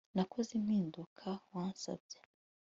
Nakoze impinduka wasabye